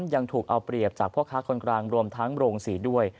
ซ้ำยังถูกเอาเปรียบจากพวกข้ากรกรางรวมทั้งโรงสีด้วย